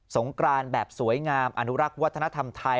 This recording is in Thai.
งกรานแบบสวยงามอนุรักษ์วัฒนธรรมไทย